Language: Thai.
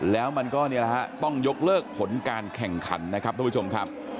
แล้วมันก็เนี่ยนะฮะต้องยกเลิกผลการแข่งขันนะครับทุกผู้ชมครับ